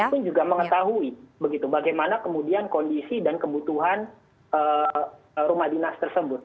pun juga mengetahui begitu bagaimana kemudian kondisi dan kebutuhan rumah dinas tersebut